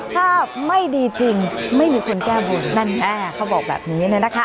ถ้าไม่ดีจริงไม่มีคนแก้บนแน่เขาบอกแบบนี้นะคะ